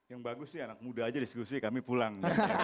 yang bagus sih anak muda aja diskusi kami pulang